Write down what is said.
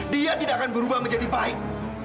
dia tidak akan berubah menjadi baik